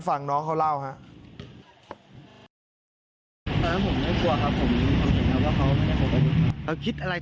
ฟังน้องเขาเล่าฮะ